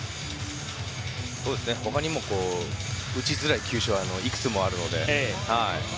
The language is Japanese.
他にも打ちづらい球種はいくつもあるので。